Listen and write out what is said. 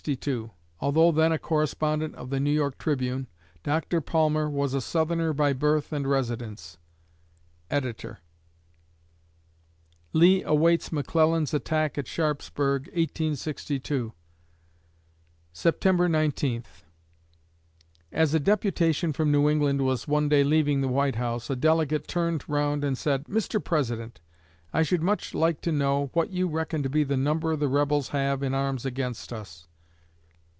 Although then a correspondent of the New York Tribune, Dr. Palmer was a Southerner by birth and residence. Editor] Lee awaits McClellan's attack at Sharpsburg, 1862 September Nineteenth As a deputation from New England was one day leaving the White House, a delegate turned round and said: "Mr. President, I should much like to know what you reckon to be the number the rebels have in arms against us?"